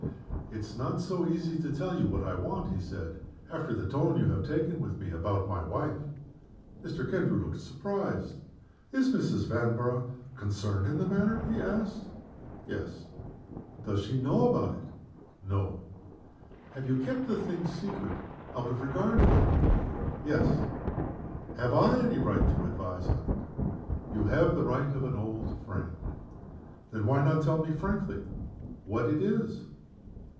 "It's not so easy to tell you what I want," he said, "after the tone you have taken with me about my wife." Mr. Kendrew looked surprised. "Is Mrs. Vanborough concerned in the matter?" he asked. "Yes." "Does she know about it?" "No." "Have you kept the thing a secret out of regard for her?" "Yes." "Have I any right to advise on it?" "You have the right of an old friend." "Then, why not tell me frankly what it is?"